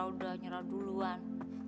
sudah menyerah duluan